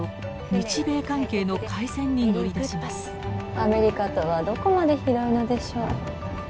アメリカとはどこまで広いのでしょう。